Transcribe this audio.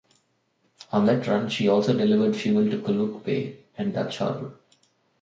On that run, she also delivered fuel to Kuluk Bay and Dutch Harbor.